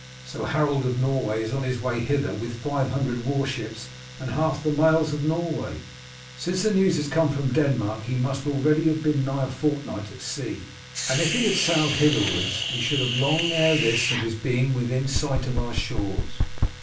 "So Harold of Norway is on his way hither with five hundred warships and half the males of Norway. Since the news has come from Denmark he must already have been nigh a fortnight at sea, and if he had sailed hitherwards we should have heard long ere this of his being within sight of our shores.